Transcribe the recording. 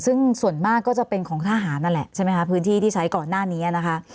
ซึ่งส่วนมากก็จะเป็นของทหารนั่นแหละใช่ไหมคะพื้นที่ที่ใช้ก่อนหน้านี้นะคะ